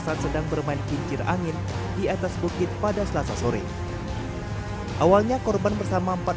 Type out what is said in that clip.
saat sedang bermain kincir angin di atas bukit pada selasa sore awalnya korban bersama empat